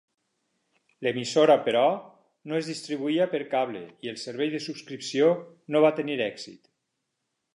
L'emissora, però, no es distribuïa per cable i el servei de subscripció no va tenir èxit.